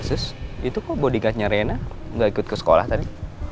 eh sus itu kok bodyguardnya rena gak ikut ke sekolah tadi